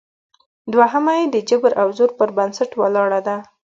دوهمه یې د جبر او زور پر بنسټ ولاړه ده